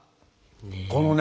このね